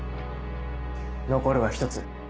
残るは１つ。